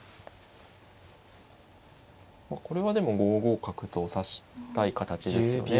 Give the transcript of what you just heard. これはでも５五角と指したい形ですよね。